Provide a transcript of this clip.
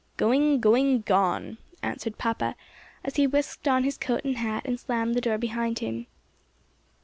"Going, going, gone!" answered papa as he whisked on his coat and hat, and slammed the door behind him.